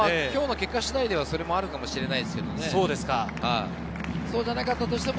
今日の結果次第ではそれもあるかもしれないですね。